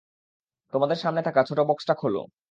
তোমাদের সামনে থাকা ছোট বক্সটা খোলো।